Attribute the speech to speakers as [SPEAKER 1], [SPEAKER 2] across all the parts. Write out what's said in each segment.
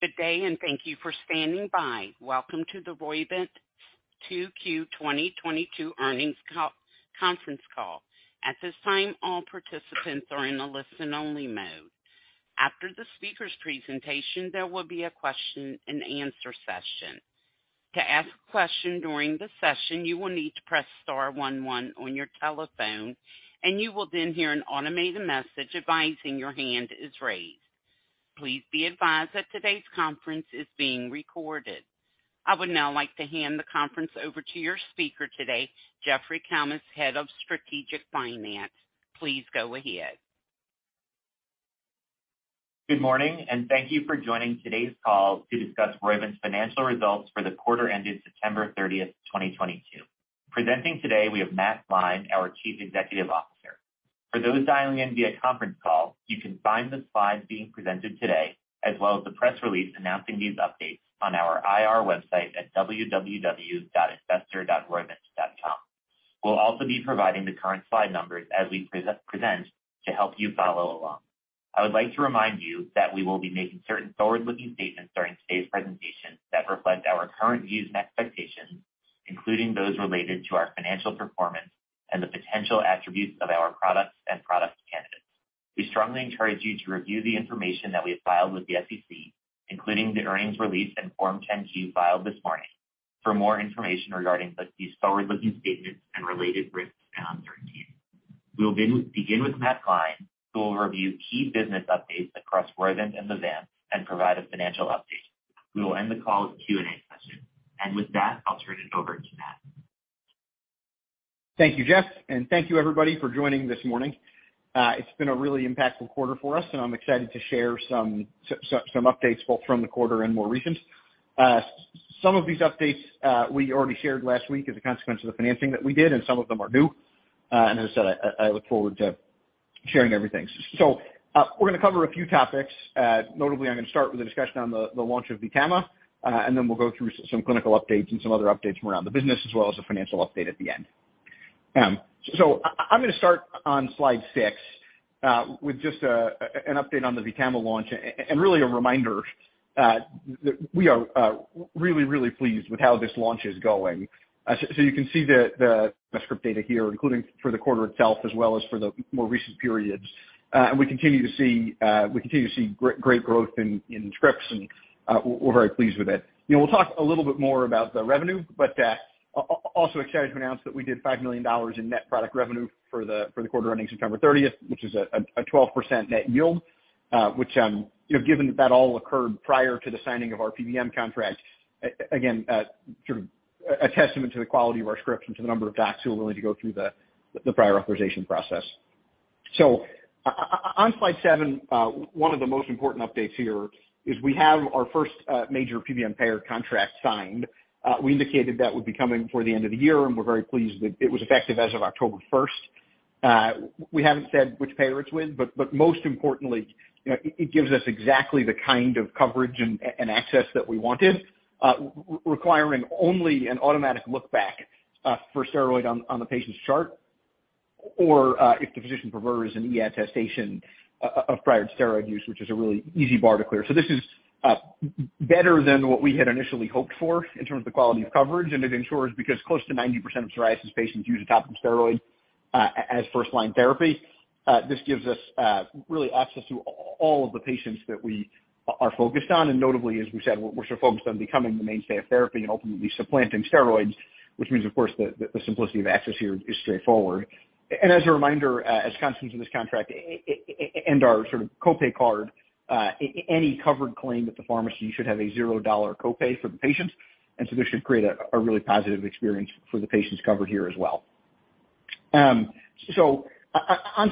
[SPEAKER 1] Good day, thank you for standing by. Welcome to the Roivant 2Q2022 earnings call, conference call. At this time, all participants are in a listen-only mode. After the speaker's presentation, there will be a question and answer session. To ask a question during the session, you will need to press star one one on your telephone, and you will then hear an automated message advising your hand is raised. Please be advised that today's conference is being recorded. I would now like to hand the conference over to your speaker today, Jeffrey Kalmus, Head of Strategic Finance. Please go ahead.
[SPEAKER 2] Good morning, and thank you for joining today's call to discuss Roivant's financial results for the quarter ended September 30th, 2022. Presenting today, we have Matt Gline, our Chief Executive Officer. For those dialing in via conference call, you can find the slides being presented today, as well as the press release announcing these updates on our IR website at www.investor.roivant.com. We'll also be providing the current slide numbers as we present to help you follow along. I would like to remind you that we will be making certain forward-looking statements during today's presentation that reflect our current views and expectations, including those related to our financial performance and the potential attributes of our products and product candidates. We strongly encourage you to review the information that we have filed with the SEC, including the earnings release and Form 10-Q filed this morning for more information regarding these forward-looking statements and related risks found therein. We will then begin with Matt Gline, who will review key business updates across Roivant and the Vants and provide a financial update. We will end the call with a Q&A session. With that, I'll turn it over to Matt.
[SPEAKER 3] Thank you, Jeff, and thank you everybody for joining this morning. It's been a really impactful quarter for us, and I'm excited to share some updates, both from the quarter and more recent. Some of these updates, we already shared last week as a consequence of the financing that we did, and some of them are new. As I said, I look forward to sharing everything. We're gonna cover a few topics. Notably, I'm gonna start with a discussion on the launch of VTAMA, and then we'll go through some clinical updates and some other updates from around the business, as well as the financial update at the end. I'm gonna start on slide six with just an update on the VTAMA launch and really a reminder that we are really pleased with how this launch is going. You can see the script data here, including for the quarter itself as well as for the more recent periods. We continue to see great growth in scripts and we're very pleased with it. You know, we'll talk a little bit more about the revenue, but also excited to announce that we did $5 million in net product revenue for the quarter ending September 30th, which is a 12% net yield, you know, given that that all occurred prior to the signing of our PBM contract, again, sort of a testament to the quality of our script and to the number of docs who are willing to go through the prior authorization process. On slide seven, one of the most important updates here is we have our first major PBM payer contract signed. We indicated that would be coming before the end of the year, and we're very pleased with it. It was effective as of October 1st. We haven't said which payer it's with, but most importantly, you know, it gives us exactly the kind of coverage and access that we wanted, requiring only an automatic look back for steroid on the patient's chart, or if the physician prefers an eAttestation of prior steroid use, which is a really easy bar to clear. This is better than what we had initially hoped for in terms of the quality of coverage, and it ensures because close to 90% of psoriasis patients use a topical steroid as first-line therapy. This gives us really access to all of the patients that we are focused on. Notably, as we said, we're so focused on becoming the mainstay of therapy and ultimately supplanting steroids, which means, of course, the simplicity of access here is straightforward. As a reminder, as consequence of this contract, and our sort of co-pay card, any covered claim at the pharmacy should have a $0 co-pay for the patients, and so this should create a really positive experience for the patients covered here as well. On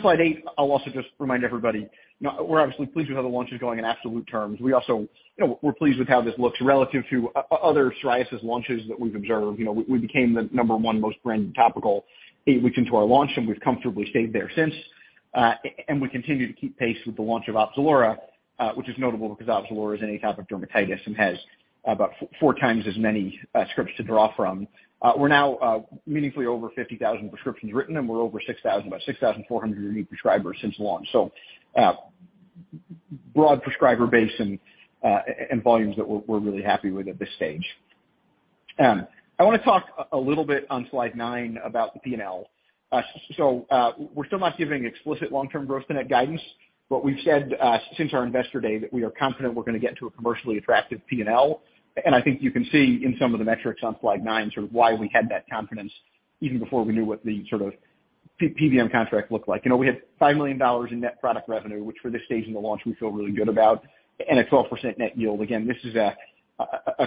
[SPEAKER 3] slide eight, I'll also just remind everybody, you know, we're obviously pleased with how the launch is going in absolute terms. We also, you know, we're pleased with how this looks relative to other psoriasis launches that we've observed. You know, we became the number one most branded topical eight weeks into our launch, and we've comfortably stayed there since. We continue to keep pace with the launch of OPZELURA, which is notable because OPZELURA is in atopic dermatitis and has about four times as many scripts to draw from. We're now meaningfully over 50,000 prescriptions written, and we're over 6,400 unique prescribers since launch. Broad prescriber base and volumes that we're really happy with at this stage. I wanna talk a little bit on slide nine about the P&L. We're still not giving explicit long-term gross to net guidance, but we've said since our investor day that we are confident we're gonna get to a commercially attractive P&L. I think you can see in some of the metrics on slide nine sort of why we had that confidence even before we knew what the sort of PBM contract looked like. You know, we had $5 million in net product revenue, which for this stage in the launch we feel really good about, and a 12% net yield. Again, this is a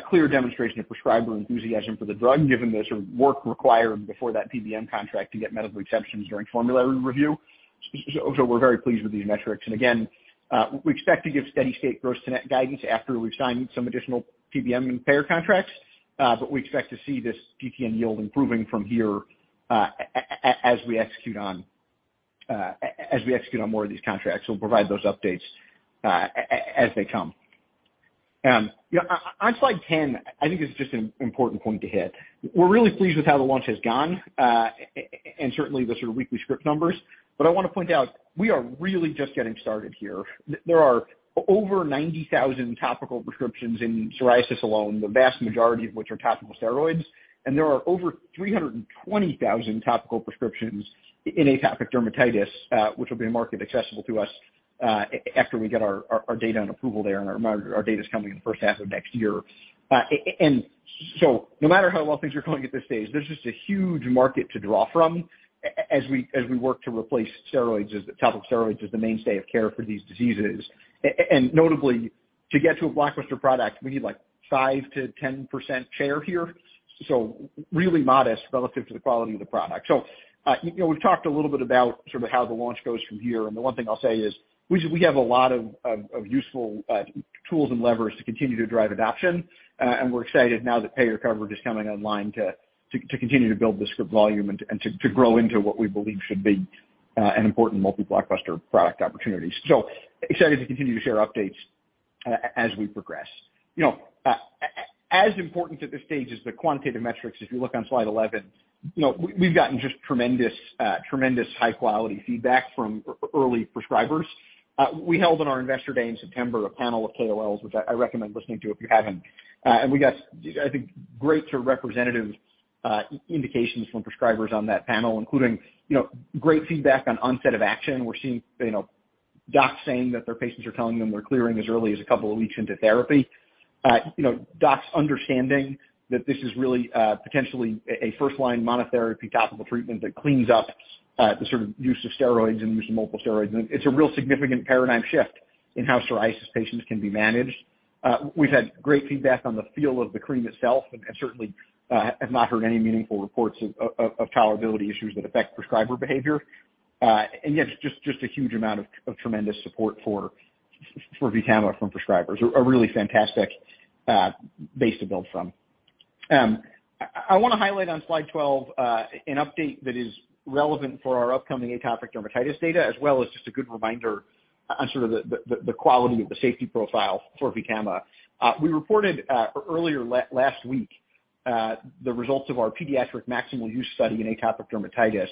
[SPEAKER 3] clear demonstration of prescriber enthusiasm for the drug, given the sort of work required before that PBM contract to get medical exceptions during formulary review. We're very pleased with these metrics. Again, we expect to give steady state gross to net guidance after we've signed some additional PBM and payer contracts, but we expect to see this PBM yield improving from here, as we execute on more of these contracts. We'll provide those updates, as they come. On slide 10, I think it's just an important point to hit. We're really pleased with how the launch has gone, and certainly the sort of weekly script numbers. I wanna point out, we are really just getting started here. There are over 90,000 topical prescriptions in psoriasis alone, the vast majority of which are topical steroids. There are over 320,000 topical prescriptions in atopic dermatitis, which will be a market accessible to us after we get our data and approval there, and our data's coming in the first half of next year. No matter how well things are going at this stage, there's just a huge market to draw from as we work to replace steroids, as the topical steroids as the mainstay of care for these diseases. Notably, to get to a blockbuster product, we need like 5%-10% share here. Really modest relative to the quality of the product. You know, we've talked a little bit about sort of how the launch goes from here, and the one thing I'll say is we have a lot of useful tools and levers to continue to drive adoption, and we're excited now that payer coverage is coming online to continue to build the script volume and to grow into what we believe should be an important multi-blockbuster product opportunity. Excited to continue to share updates as we progress. You know, as important to this stage is the quantitative metrics if you look on slide 11. You know, we've gotten just tremendous high quality feedback from early prescribers. We held on our Investor Day in September, a panel of KOLs, which I recommend listening to if you haven't. We got, I think, great sort of representative indications from prescribers on that panel, including, you know, great feedback on onset of action. We're seeing, you know, docs saying that their patients are telling them they're clearing as early as a couple of weeks into therapy. You know, docs understanding that this is really potentially a first line monotherapy topical treatment that cleans up the sort of use of steroids and use of multiple steroids. It's a real significant paradigm shift in how psoriasis patients can be managed. We've had great feedback on the feel of the cream itself and certainly have not heard any meaningful reports of tolerability issues that affect prescriber behavior. Yeah, just a huge amount of tremendous support for VTAMA from prescribers. A really fantastic base to build from. I wanna highlight on slide 12, an update that is relevant for our upcoming atopic dermatitis data, as well as just a good reminder on the quality of the safety profile for VTAMA. We reported earlier last week, the results of our pediatric maximal use study in atopic dermatitis.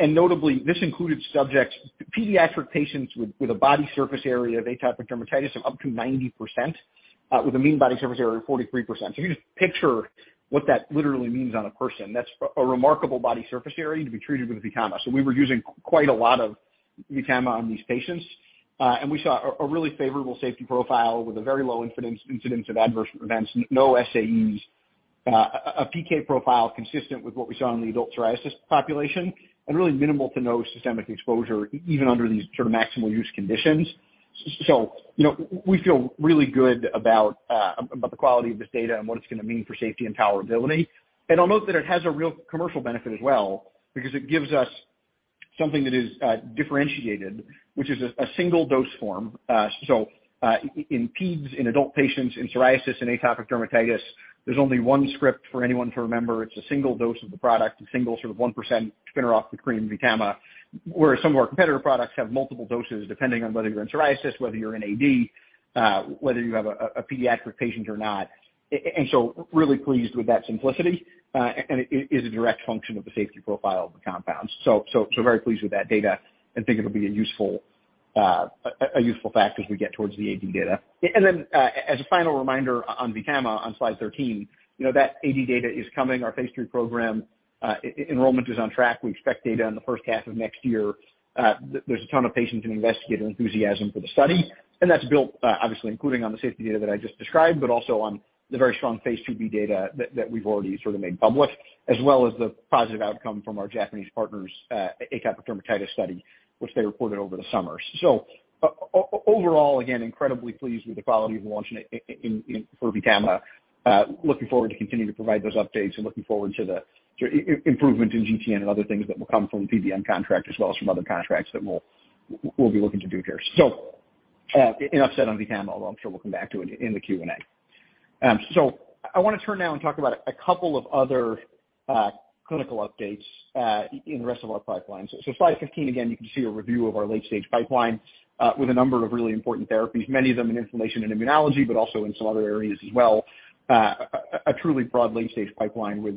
[SPEAKER 3] Notably, this included subjects, pediatric patients with a body surface area of atopic dermatitis of up to 90%, with a mean body surface area of 43%. If you just picture what that literally means on a person, that's a remarkable body surface area to be treated with VTAMA. We were using quite a lot of VTAMA on these patients, and we saw a really favorable safety profile with a very low incidence of adverse events, no SAEs. A PK profile consistent with what we saw in the adult psoriasis population and really minimal to no systemic exposure even under these sort of maximal use conditions. You know, we feel really good about the quality of this data and what it's gonna mean for safety and tolerability. I'll note that it has a real commercial benefit as well because it gives us something that is differentiated, which is a single dose form. In peds, in adult patients, in psoriasis and atopic dermatitis, there's only one script for anyone to remember. It's a single dose of the product, a single sort of 1% concentration of the cream VTAMA. Whereas some of our competitor products have multiple doses depending on whether you're in psoriasis, whether you're in AD, whether you have a pediatric patient or not. Really pleased with that simplicity, and it is a direct function of the safety profile of the compound. Very pleased with that data and think it'll be a useful fact as we get towards the AD data. As a final reminder on VTAMA on slide 13, you know, that AD data is coming. Our phase III program, enrollment is on track. We expect data in the first half of next year. There's a ton of patients and investigator enthusiasm for the study, and that's built, obviously including on the safety data that I just described, but also on the very strong phase II-B data that we've already sort of made public, as well as the positive outcome from our Japanese partners' atopic dermatitis study, which they reported over the summer. Overall, again, incredibly pleased with the quality of the launch in for VTAMA. Looking forward to continuing to provide those updates and looking forward to the improvement in GTN and other things that will come from PBM contract as well as from other contracts that we'll be looking to do here. Enough said on VTAMA, although I'm sure we'll come back to it in the Q&A. I wanna turn now and talk about a couple of other clinical updates in the rest of our pipeline. Slide 15, again, you can see a review of our late-stage pipeline with a number of really important therapies, many of them in inflammation and immunology, but also in some other areas as well. A truly broad late-stage pipeline with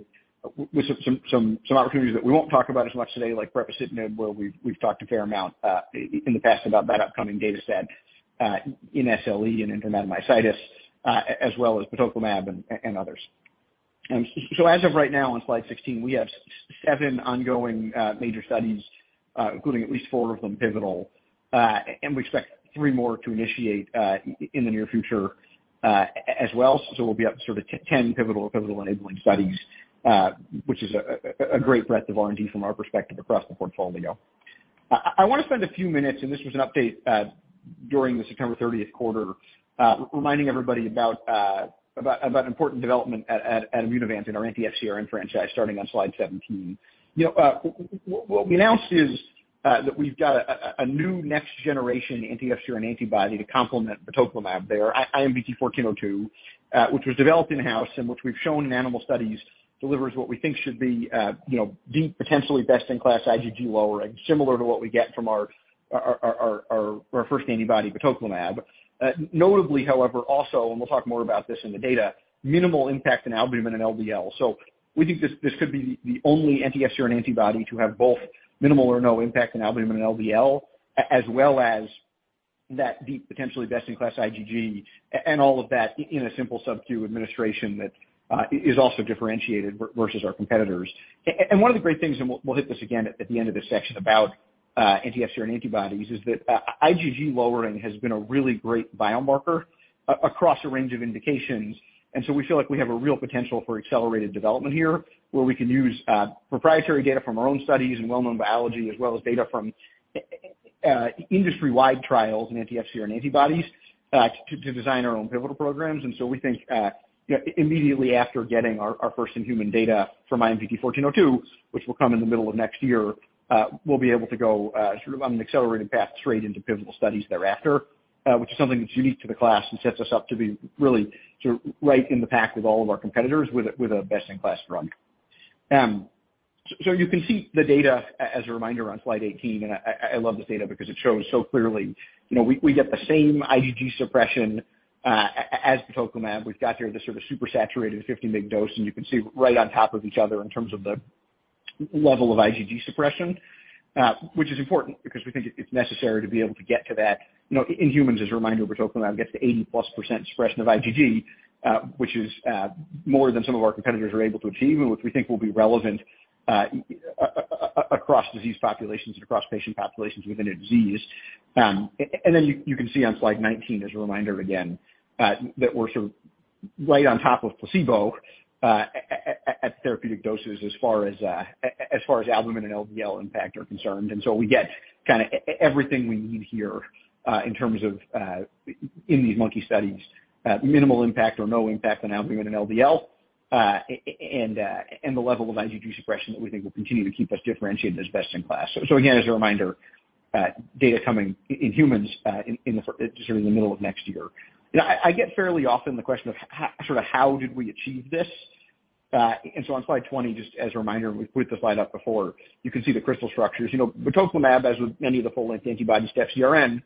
[SPEAKER 3] some opportunities that we won't talk about as much today like brepocitinib, where we've talked a fair amount in the past about that upcoming data set in SLE and inflammatory myositis, as well as batoclimab and others. As of right now on slide 16, we have seven ongoing major studies, including at least four of them pivotal. We expect three more to initiate in the near future as well. We'll be up to sort of 10 pivotal enabling studies, which is a great breadth of R&D from our perspective across the portfolio. I wanna spend a few minutes, and this was an update during the September 30th quarter, reminding everybody about important development at Immunovant in our anti-FcRn franchise starting on slide 17. You know, what we announced is that we've got a new next generation anti-FcRn antibody to complement batoclimab there, IMVT-1402, which was developed in-house and which we've shown in animal studies delivers what we think should be, you know, deep potentially best in class IgG lowering, similar to what we get from our first antibody batoclimab. Notably however, also, and we'll talk more about this in the data, minimal impact in albumin and LDL. So we think this could be the only anti-FcRn antibody to have both minimal or no impact in albumin and LDL as well as that deep potentially best in class IgG and all of that in a simple subcu administration that is also differentiated versus our competitors. One of the great things, and we'll hit this again at the end of this section about anti-FcRn antibodies, is that IgG lowering has been a really great biomarker across a range of indications. We feel like we have a real potential for accelerated development here, where we can use proprietary data from our own studies and well-known biology as well as data from industry-wide trials in anti-FcRn antibodies to design our own pivotal programs. We think immediately after getting our first in human data from IMVT-1402, which will come in the middle of next year, we'll be able to go sort of on an accelerated path straight into pivotal studies thereafter, which is something that's unique to the class and sets us up to be really sort of right in the pack with all of our competitors with a best in class drug. So you can see the data as a reminder on slide 18, and I love this data because it shows so clearly, you know, we get the same IgG suppression as batoclimab. We've got here the sort of supersaturated 50 mg dose, and you can see right on top of each other in terms of the level of IgG suppression, which is important because we think it's necessary to be able to get to that. You know, in humans as a reminder, batoclimab gets to 80%+ suppression of IgG, which is more than some of our competitors are able to achieve and which we think will be relevant across disease populations and across patient populations within a disease. And then you can see on slide 19 as a reminder again, that we're sort of right on top of placebo at therapeutic doses as far as albumin and LDL impact are concerned. We get kinda everything we need here, in terms of, in these monkey studies, minimal impact or no impact on albumin and LDL, and the level of IgG suppression that we think will continue to keep us differentiated as best in class. Again, as a reminder, data coming in humans, sort of in the middle of next year. You know, I get fairly often the question of how, sorta how did we achieve this? On slide 20, just as a reminder, and we put the slide up before, you can see the crystal structures. You know, batoclimab, as with many of the full-length antibodies to FcRn,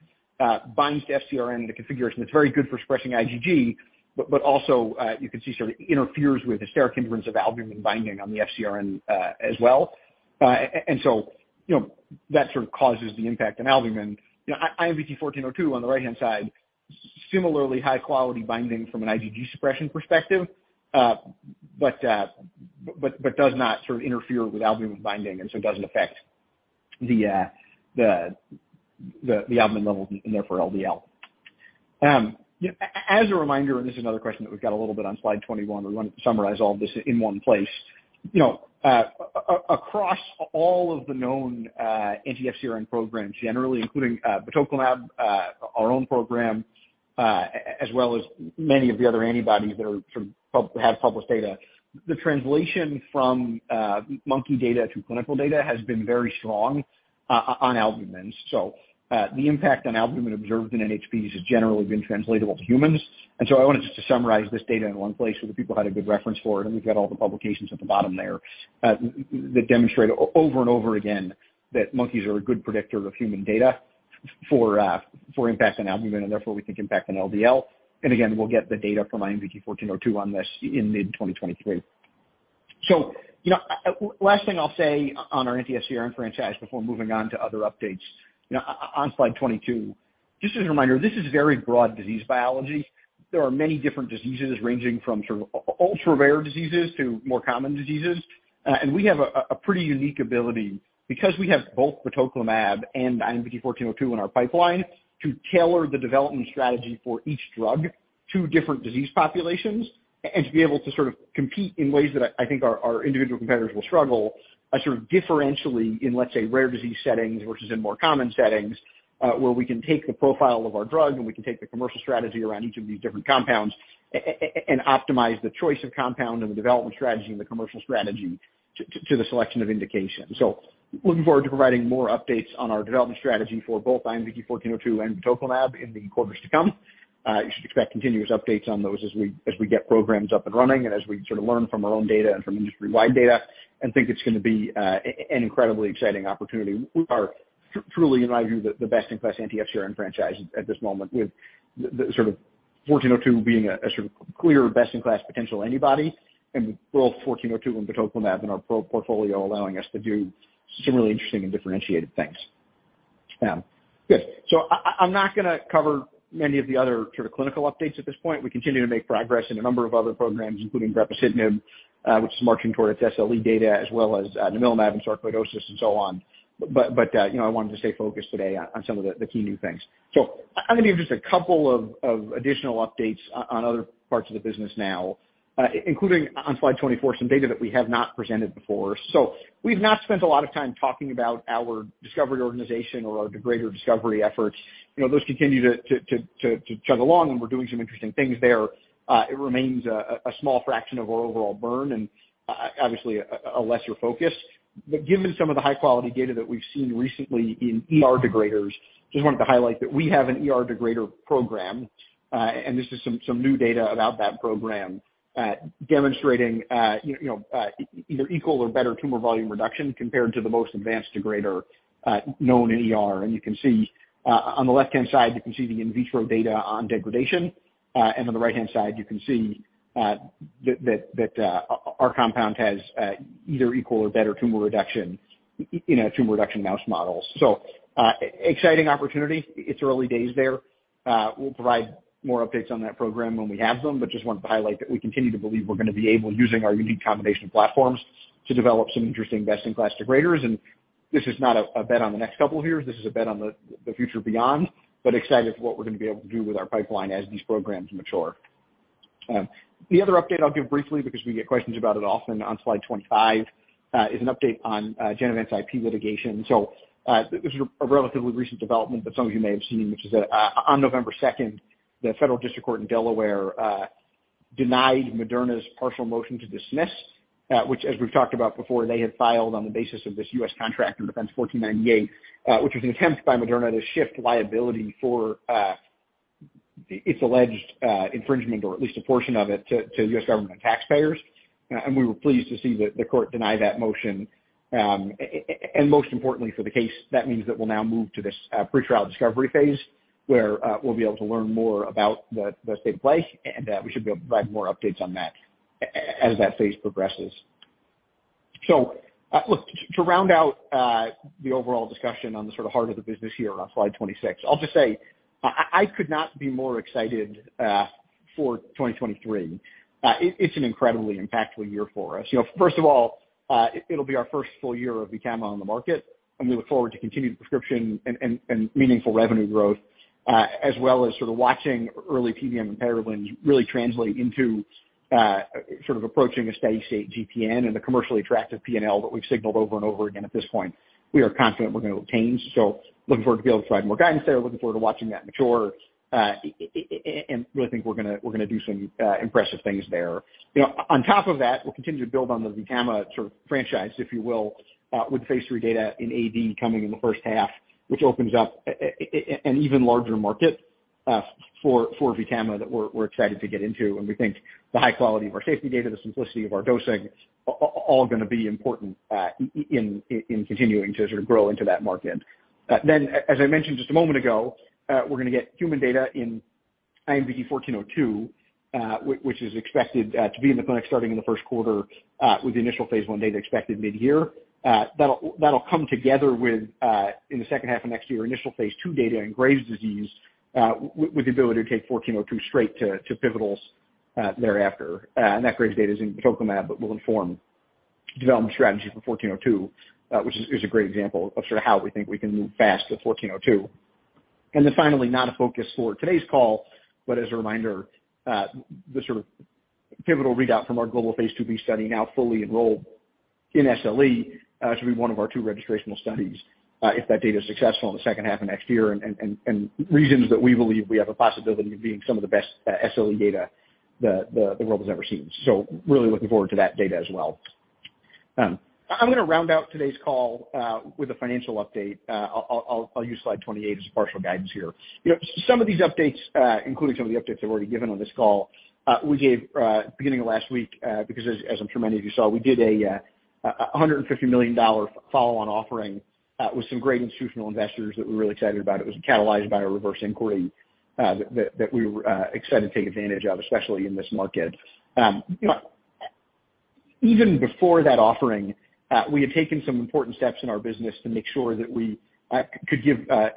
[SPEAKER 3] binds to FcRn in a configuration that's very good for suppressing IgG, but also you can see sort of interferes with the steric hindrance of albumin binding on the FcRn, as well. You know, that sort of causes the impact on albumin. You know, IMVT-1402 on the right-hand side, similarly high quality binding from an IgG suppression perspective, but does not sort of interfere with albumin binding and so doesn't affect the albumin levels and therefore LDL. As a reminder, this is another question that we've got a little bit on slide 21, we wanted to summarize all this in one place. You know, across all of the known anti-FcRn programs generally, including batoclimab, our own program, as well as many of the other antibodies that have published data, the translation from monkey data to clinical data has been very strong on albumin. The impact on albumin observed in NHPs has generally been translatable to humans. I wanted just to summarize this data in one place so that people had a good reference for it, and we've got all the publications at the bottom there that demonstrate over and over again that monkeys are a good predictor of human data for impact on albumin and therefore we think impact on LDL. Again, we'll get the data from IMVT-1402 on this in mid-2023. You know, last thing I'll say on our anti-FcRn franchise before moving on to other updates. You know, on slide 22, just as a reminder, this is very broad disease biology. There are many different diseases ranging from sort of ultra-rare diseases to more common diseases. We have a pretty unique ability because we have both batoclimab and IMVT-1402 in our pipeline to tailor the development strategy for each drug to different disease populations and to be able to sort of compete in ways that I think our individual competitors will struggle sort of differentially in, let's say, rare disease settings versus in more common settings, where we can take the profile of our drug and we can take the commercial strategy around each of these different compounds and optimize the choice of compound and the development strategy and the commercial strategy to the selection of indications. Looking forward to providing more updates on our development strategy for both IMVT-1402 and batoclimab in the quarters to come. You should expect continuous updates on those as we get programs up and running and as we sort of learn from our own data and from industry-wide data and think it's gonna be an incredibly exciting opportunity. We are truly, in my view, the best in class anti-FcRn franchise at this moment with the sort of 1402 being a sort of clear best in class potential antibody and both 1402 and batoclimab in our portfolio allowing us to do some really interesting and differentiated things. Good. I'm not gonna cover many of the other sort of clinical updates at this point. We continue to make progress in a number of other programs, including brepocitinib, which is marching toward its SLE data, as well as nimalimab and sarcoidosis and so on. You know, I wanted to stay focused today on some of the key new things. I'm gonna give just a couple of additional updates on other parts of the business now, including on slide 24, some data that we have not presented before. We've not spent a lot of time talking about our discovery organization or the greater discovery efforts. You know, those continue to chug along, and we're doing some interesting things there. It remains a small fraction of our overall burn and obviously a lesser focus. Given some of the high-quality data that we've seen recently in ER degraders, just wanted to highlight that we have an ER degrader program, and this is some new data about that program, demonstrating you know either equal or better tumor volume reduction compared to the most advanced degrader known in ER. You can see on the left-hand side, you can see the in vitro data on degradation. On the right-hand side, you can see that our compound has either equal or better tumor reduction in our tumor reduction mouse models. Exciting opportunity. It's early days there. We'll provide more updates on that program when we have them, but just wanted to highlight that we continue to believe we're gonna be able, using our unique combination platforms, to develop some interesting best-in-class degraders. This is not a bet on the next couple of years, this is a bet on the future beyond. Excited for what we're gonna be able to do with our pipeline as these programs mature. The other update I'll give briefly because we get questions about it often on slide 25 is an update on Genevant's IP litigation. This is a relatively recent development that some of you may have seen, which is that on November second, the Federal District Court in Delaware denied Moderna's partial motion to dismiss, which as we've talked about before, they had filed on the basis of this 28 U.S.C. § 1498, which was an attempt by Moderna to shift liability for its alleged infringement or at least a portion of it to US government taxpayers. We were pleased to see the court deny that motion. Most importantly for the case, that means that we'll now move to this pre-trial discovery phase, where we'll be able to learn more about the state of play, and we should be able to provide more updates on that as that phase progresses. look, to round out the overall discussion on the sort of heart of the business here on slide 26. I'll just say I could not be more excited for 2023. It's an incredibly impactful year for us. You know, first of all, it'll be our first full year of VTAMA on the market, and we look forward to continued prescription and meaningful revenue growth, as well as sort of watching early PBM and payer wins really translate into sort of approaching a steady state GTN and the commercially attractive P&L that we've signaled over and over again at this point. We are confident we're gonna obtain. Looking forward to be able to provide more guidance there, looking forward to watching that mature, and really think we're gonna do some impressive things there. You know, on top of that, we'll continue to build on the VTAMA sort of franchise, if you will, with phase III data in AD coming in the first half, which opens up an even larger market for VTAMA that we're excited to get into. We think the high quality of our safety data, the simplicity of our dosing, all gonna be important in continuing to sort of grow into that market. As I mentioned just a moment ago, we're gonna get human data in IMVT-1402, which is expected to be in the clinic starting in the first quarter, with the initial phase I data expected midyear. That'll come together with, in the second half of next year, initial phase II data in Graves' disease, with the ability to take IMVT-1402 straight to pivotals thereafter. That Graves data is in batoclimab but will inform development strategies for IMVT-1402, which is a great example of sort of how we think we can move fast with IMVT-1402. Not a focus for today's call, but as a reminder, the sort of pivotal readout from our global phase II-B study now fully enrolled in SLE should be one of our two registrational studies, if that data is successful in the second half of next year. Reasons that we believe we have a possibility of being some of the best SLE data the world has ever seen. Really looking forward to that data as well. I'm gonna round out today's call with a financial update. I'll use slide 28 as a partial guidance here. You know, some of these updates, including some of the updates I've already given on this call, we gave beginning of last week, because as I'm sure many of you saw, we did a $150 million follow-on offering with some great institutional investors that we're really excited about. It was catalyzed by a reverse inquiry that we were excited to take advantage of, especially in this market. You know, even before that offering, we had taken some important steps in our business to make sure that we could give that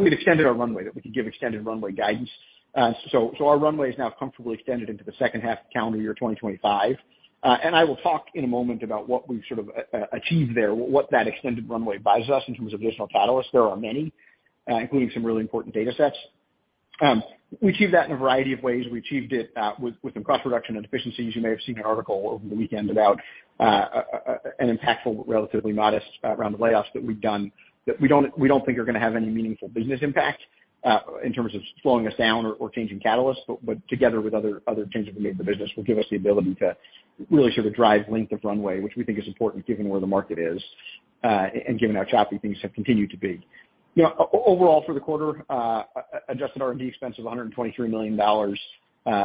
[SPEAKER 3] we'd extended our runway, that we could give extended runway guidance. Our runway is now comfortably extended into the second half of calendar year 2025. I will talk in a moment about what we've sort of achieved there, what that extended runway buys us in terms of additional catalysts. There are many, including some really important data sets. We achieved that in a variety of ways. We achieved it with some cost reduction and efficiencies. You may have seen an article over the weekend about an impactful but relatively modest round of layoffs that we've done that we don't think are gonna have any meaningful business impact in terms of slowing us down or changing catalysts. Together with other changes we made to the business will give us the ability to really sort of drive length of runway, which we think is important given where the market is and given how choppy things have continued to be. You know, overall for the quarter, adjusted R&D expense of $123 million,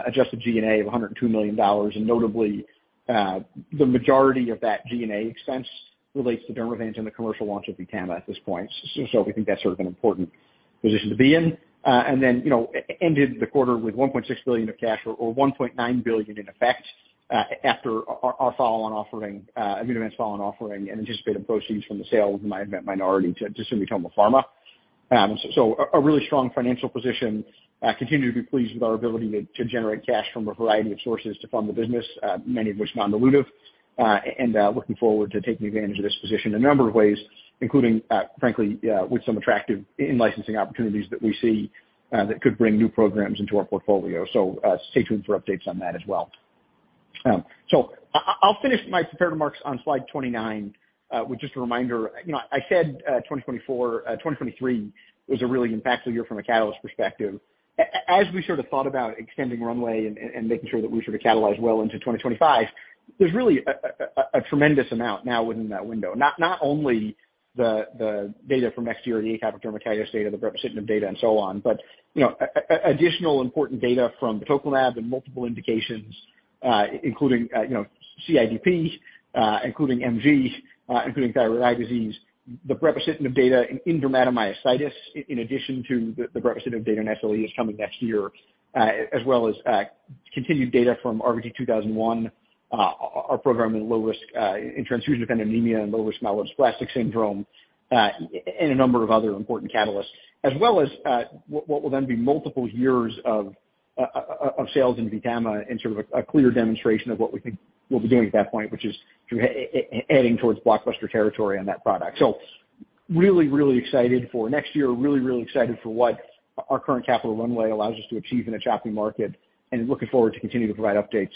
[SPEAKER 3] adjusted G&A of $102 million. Notably, the majority of that G&A expense relates to Dermavant and the commercial launch of VTAMA at this point. So we think that's sort of an important position to be in. You know, ended the quarter with $1.6 billion of cash or $1.9 billion in effect, after our follow-on offering, Immunovant follow-on offering and anticipated proceeds from the sale of the Immunovant minority to Sumitomo Pharma. A really strong financial position. Continue to be pleased with our ability to generate cash from a variety of sources to fund the business, many of which non-dilutive. Looking forward to taking advantage of this position a number of ways, including, frankly, with some attractive in-licensing opportunities that we see, that could bring new programs into our portfolio. Stay tuned for updates on that as well. I'll finish my prepared remarks on slide 29 with just a reminder. You know, I said 2023 was a really impactful year from a catalyst perspective. As we sort of thought about extending runway and making sure that we sort of catalyze well into 2025, there's really a tremendous amount now within that window. Not only the data from next year, the atopic dermatitis data, the brepocitinib data, and so on. Additional important data from batoclimab in multiple indications, including you know, CIDP, including MG, including thyroid eye disease. The brepocitinib data in dermatomyositis in addition to the brepocitinib data in SLE is coming next year. As well as continued data from RVT-2001, our program in low risk, in transfusion-dependent anemia and low risk myelodysplastic syndrome, and a number of other important catalysts. As well as what will then be multiple years of sales in VTAMA and sort of a clear demonstration of what we think we'll be doing at that point, which is to heading towards blockbuster territory on that product. Really excited for next year. Really, really excited for what our current capital runway allows us to achieve in a choppy market and looking forward to continue to provide updates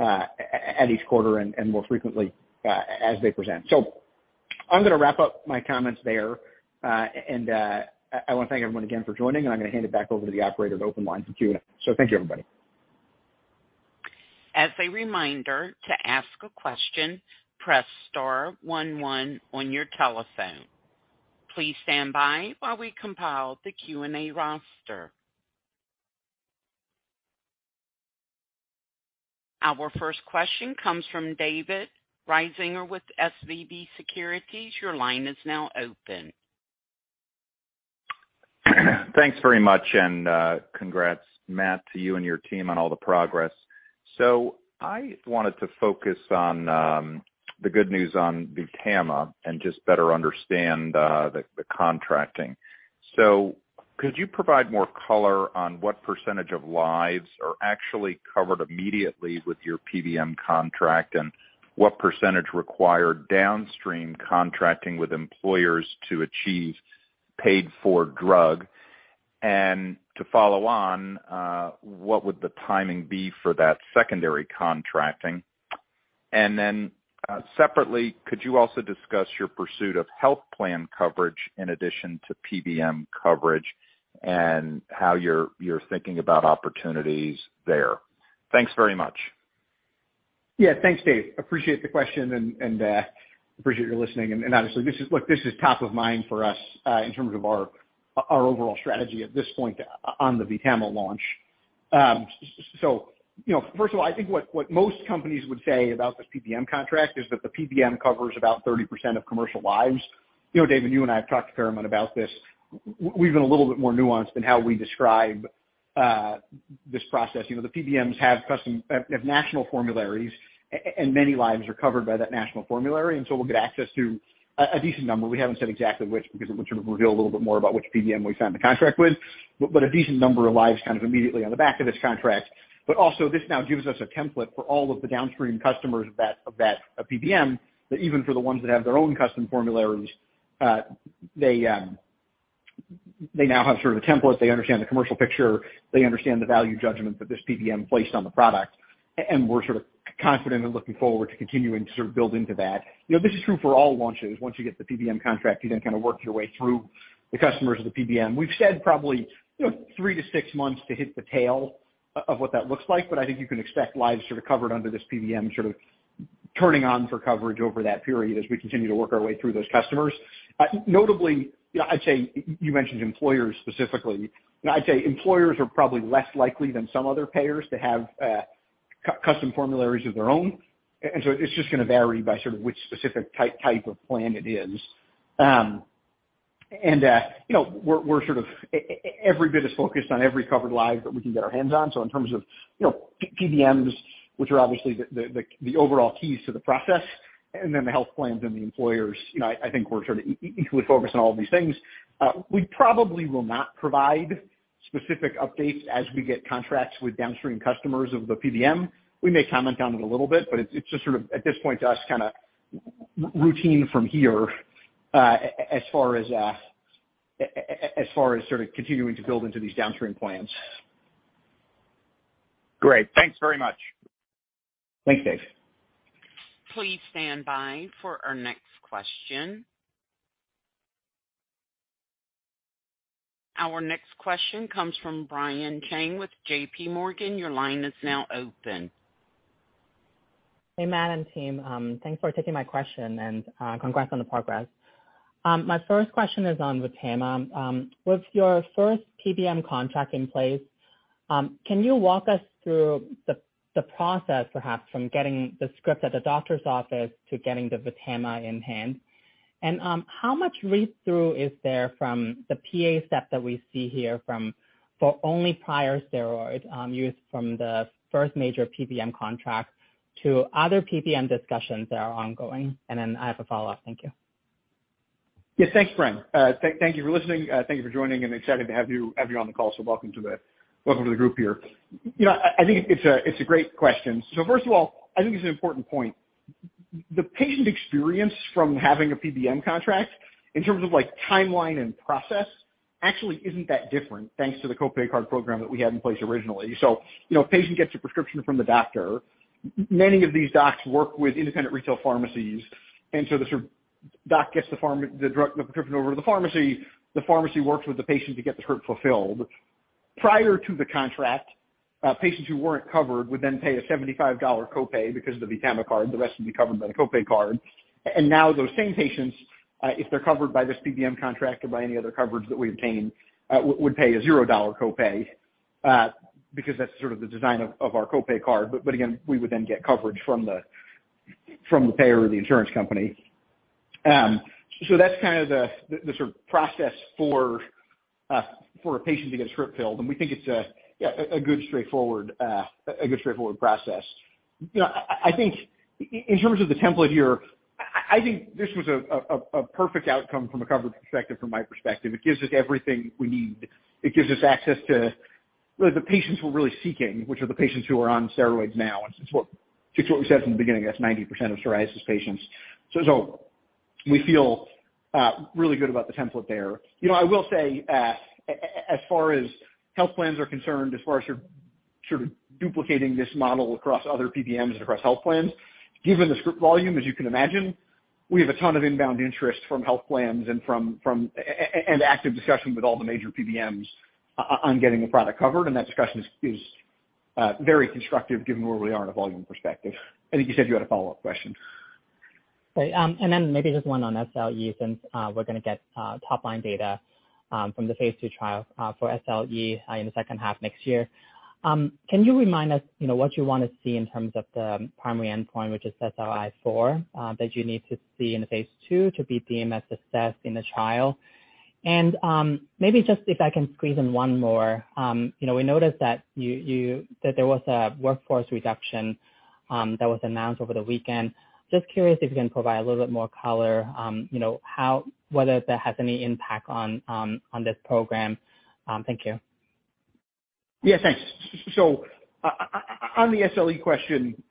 [SPEAKER 3] at each quarter and more frequently as they present. I'm gonna wrap up my comments there, and I want to thank everyone again for joining, and I'm gonna hand it back over to the operator to open lines for Q&A. Thank you, everybody.
[SPEAKER 1] As a reminder, to ask a question, press star one one on your telephone. Please stand by while we compile the Q&A roster. Our first question comes from David Risinger with SVB Securities. Your line is now open.
[SPEAKER 4] Thanks very much, and congrats, Matt, to you and your team on all the progress. I wanted to focus on the good news on VTAMA and just better understand the contracting. Could you provide more color on what percentage of lives are actually covered immediately with your PBM contract, and what percentage require downstream contracting with employers to achieve paid for drug? To follow on, what would the timing be for that secondary contracting? Separately, could you also discuss your pursuit of health plan coverage in addition to PBM coverage and how you're thinking about opportunities there? Thanks very much.
[SPEAKER 3] Yeah. Thanks, David. Appreciate the question and appreciate your listening. Obviously this is top of mind for us in terms of our overall strategy at this point on the VTAMA launch. So, you know, first of all, I think what most companies would say about this PBM contract is that the PBM covers about 30% of commercial lives. You know, David, you and I have talked a fair amount about this. We've been a little bit more nuanced in how we describe this process. You know, the PBMs have national formularies, and many lives are covered by that national formulary, and so we'll get access to a decent number. We haven't said exactly which because it would sort of reveal a little bit more about which PBM we signed the contract with, but a decent number of lives kind of immediately on the back of this contract. This now gives us a template for all of the downstream customers of that PBM, that even for the ones that have their own custom formularies, they now have sort of a template. They understand the commercial picture. They understand the value judgment that this PBM placed on the product. We're sort of confident and looking forward to continuing to sort of build into that. You know, this is true for all launches. Once you get the PBM contract, you then kind of work your way through the customers of the PBM. We've said probably, you know, three to six months to hit the tail of what that looks like, but I think you can expect lives sort of covered under this PBM sort of turning on for coverage over that period as we continue to work our way through those customers. Notably, you know, I'd say you mentioned employers specifically. You know, I'd say employers are probably less likely than some other payers to have custom formularies of their own. It's just gonna vary by sort of which specific type of plan it is. You know, we're sort of every bit as focused on every covered life that we can get our hands on. In terms of, you know, PBMs, which are obviously the overall keys to the process, and then the health plans and the employers, you know, I think we're sort of equally focused on all of these things. We probably will not provide specific updates as we get contracts with downstream customers of the PBM. We may comment on it a little bit, but it's just sort of at this point to us, kinda routine from here, as far as sort of continuing to build into these downstream plans.
[SPEAKER 4] Great. Thanks very much.
[SPEAKER 3] Thanks, Dave.
[SPEAKER 1] Please stand by for our next question. Our next question comes from Brian Cheng with JP Morgan. Your line is now open.
[SPEAKER 5] Hey, Matt and team. Thanks for taking my question and, congrats on the progress. My first question is on VTAMA. With your first PBM contract in place, can you walk us through the process perhaps from getting the script at the doctor's office to getting the VTAMA in hand? And, how much read-through is there from the PA step that we see here for only prior steroid use from the first major PBM contract to other PBM discussions that are ongoing? And then I have a follow-up. Thank you.
[SPEAKER 3] Yeah. Thanks, Brian. Thank you for listening. Thank you for joining, and excited to have you on the call, welcome to the group here. You know, I think it's a great question. First of all, I think it's an important point. The patient experience from having a PBM contract in terms of like timeline and process actually isn't that different thanks to the copay card program that we had in place originally. You know, patient gets a prescription from the doctor. Many of these docs work with independent retail pharmacies, and so the doc gets the drug, the prescription over to the pharmacy. The pharmacy works with the patient to get the script fulfilled. Prior to the contract, patients who weren't covered would then pay a $75 copay because of the VTAMA card. The rest would be covered by the copay card. Now those same patients, if they're covered by this PBM contract or by any other coverage that we obtain, would pay a $0 copay, because that's sort of the design of our copay card. Again, we would then get coverage from the payer or the insurance company. So that's kind of the sort of process for a patient to get a script filled, and we think it's a good straightforward process. You know, I think in terms of the template here, I think this was a perfect outcome from a coverage perspective, from my perspective. It gives us everything we need. It gives us access to the patients we're really seeking, which are the patients who are on steroids now. It's what we said from the beginning. That's 90% of psoriasis patients. We feel really good about the template there. You know, I will say, as far as health plans are concerned, as far as sort of duplicating this model across other PBMs and across health plans, given the script volume, as you can imagine, we have a ton of inbound interest from health plans and from and active discussion with all the major PBMs on getting the product covered. That discussion is very constructive given where we are in a volume perspective. I think you said you had a follow-up question.
[SPEAKER 5] Right. Then maybe just one on SLE since we're gonna get top line data from the phase II trial for SLE in the second half next year. Can you remind us, you know, what you want to see in terms of the primary endpoint, which is SRI4, that you need to see in the phase II to be deemed as success in the trial? Maybe just if I can squeeze in one more. You know, we noticed that you that there was a workforce reduction that was announced over the weekend. Just curious if you can provide a little bit more color, you know, whether that has any impact on this program. Thank you.
[SPEAKER 3] Yeah. Thanks. On the SLE question,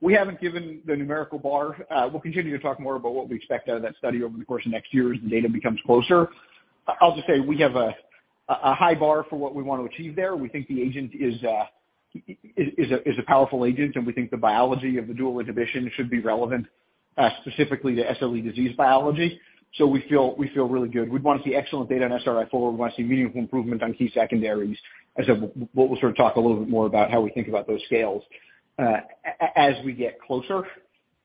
[SPEAKER 3] we haven't given the numerical bar. We'll continue to talk more about what we expect out of that study over the course of next year as the data becomes closer. I'll just say we have a high bar for what we want to achieve there. We think the agent is a powerful agent, and we think the biology of the dual inhibition should be relevant specifically to SLE disease biology. We feel really good. We'd want to see excellent data on SRI4. We want to see meaningful improvement on key secondaries. We'll sort of talk a little bit more about how we think about those scales as we get closer.